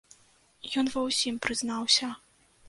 Ён ва ўсім прызнаўся.